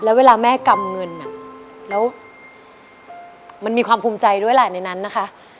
แล้วเวลาแม่กำเงินแล้วมันมีความภูมิใจด้วยแหละในนั้นนะคะ